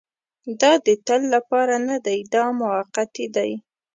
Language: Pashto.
دا د تل لپاره نه دی دا موقتي دی.